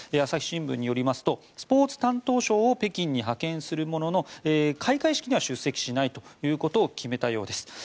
朝日新聞によりますとスポーツ担当相を北京に派遣するものの開会式には出席しないということを決めたようです。